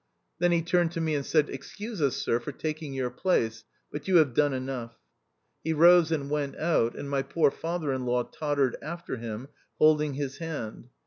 Then he turned to me and said, " Excuse me, sir, for taking your place ; but you have done enough." He rose and went out, and my poor father in law tottered after him, holding his hand.